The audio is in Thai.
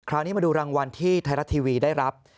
คราวนี้มาดูรางวัลที่ไทยรัฐทีวีได้รับ